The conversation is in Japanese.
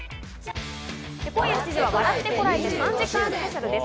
今夜７時は『笑ってコラえて！』３時間スペシャルです。